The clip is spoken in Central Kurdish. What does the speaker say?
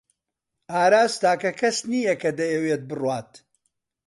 ئاراس تاکە کەس نییە کە دەیەوێت بڕوات.